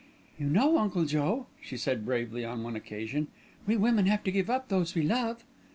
"You know, Uncle Joe," she said bravely on one occasion, "we women have to give up those we love."